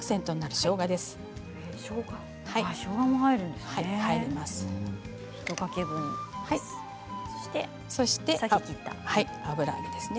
しょうがも入るんですね